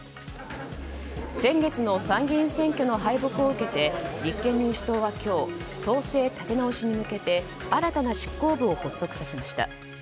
先月の参議院選挙の敗北を受けて立憲民主党は今日党勢立て直しに向けて新たな執行部を発足させました。